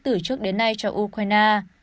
từ trước đến nay cho ukraine